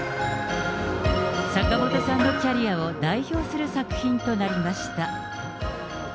坂本さんのキャリアを代表する作品となりました。